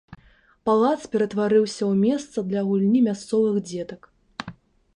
Палац ператварыўся ў месца для гульні мясцовых дзетак.